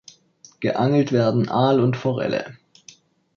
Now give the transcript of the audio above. Geangelt werden Aal und Forelle.